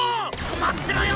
まってろよ！